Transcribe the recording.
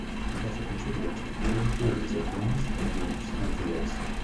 He also contributed to the pure theories of rings, groups and fields.